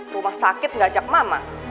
rumah sakit gak ajak mama